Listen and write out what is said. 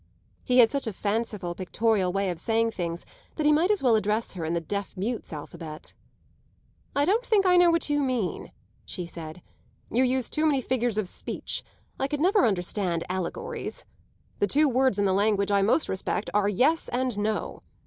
He had such a fanciful, pictorial way of saying things that he might as well address her in the deaf mute's alphabet. "I don't think I know what you mean," she said; "you use too many figures of speech; I could never understand allegories. The two words in the language I most respect are Yes and No.